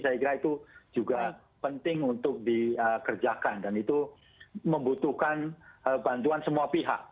saya kira itu juga penting untuk dikerjakan dan itu membutuhkan bantuan semua pihak